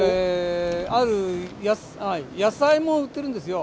野菜も売っているんですよ。